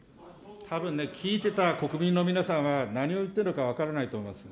たぶんね、聞いてた国民の皆さんは、何を言ってるのか分からないと思います。